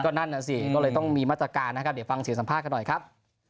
นั่นน่ะสิก็เลยต้องมีมาตรการนะครับเดี๋ยวฟังเสียงสัมภาษณ์กันหน่อยครับ